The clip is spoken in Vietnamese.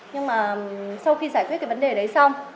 nhưng mà sau khi giải quyết cái vấn đề đấy xong